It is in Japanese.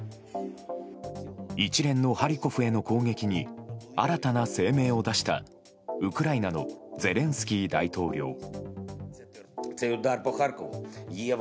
一連のハリコフへの攻撃に新たな声明を出したウクライナのゼレンスキー大統領。